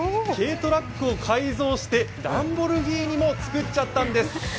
軽トラックを改造してランボルギーニも作っちゃったんです。